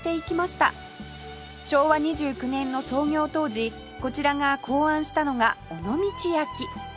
昭和２９年の創業当時こちらが考案したのが尾道焼き